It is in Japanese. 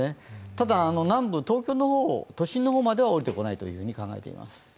ただ南部、東京都心の方までは下りてこないというふうに考えています。